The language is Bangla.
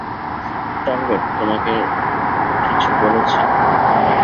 টার্গেট তোমাকে কিছু বলেছে।